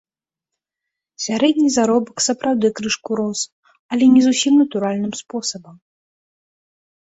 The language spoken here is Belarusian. Сярэдні заробак сапраўды крышку рос, але не зусім натуральным спосабам.